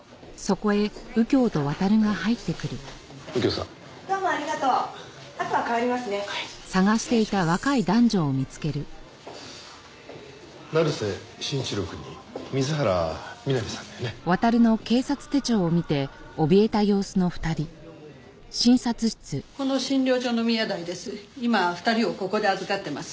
この診療所の宮台です。